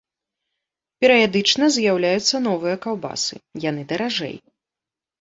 Перыядычна з'яўляюцца новыя каўбасы, яны даражэй.